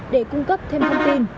để cung cấp thêm thông tin